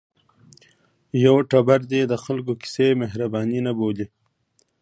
یوټوبر دې د خلکو کیسې مهرباني نه بولي.